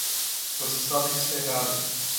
Você sabe que está errado.